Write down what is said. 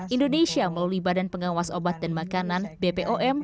indonesia melalui badan pengawas obat dan makanan bpom